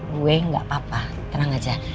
gue gak apa apa terang aja